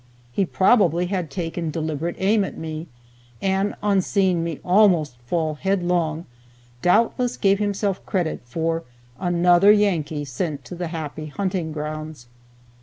He probably had taken deliberate aim at me, and on seeing me almost fall headlong, doubtless gave himself credit for another Yankee sent to "the happy hunting grounds."